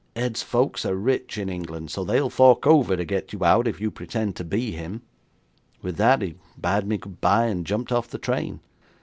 Ed's folks are rich in England, so they'll fork over to get you out if you pretend to be him." With that he bade me good bye and jumped off the train.